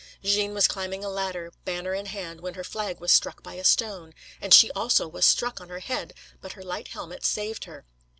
Jeanne was climbing a ladder, banner in hand, when her flag was struck by a stone, and she also was struck on her head, but her light helmet saved her.